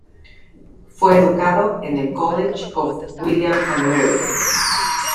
Fue educado en el College of William and Mary.